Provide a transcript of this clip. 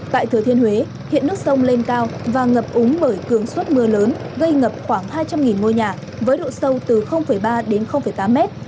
tại thừa thiên huế hiện nước sông lên cao và ngập úng bởi cường suất mưa lớn gây ngập khoảng hai trăm linh ngôi nhà với độ sâu từ ba đến tám mét